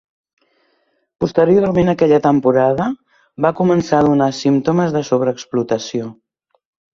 Posteriorment aquella temporada, va començar a donar símptomes de sobreexplotació.